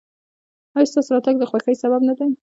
ایا ستاسو راتګ د خوښۍ سبب نه دی؟